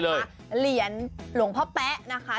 เหรียญหลวงพ่อแป๊ะนะคะ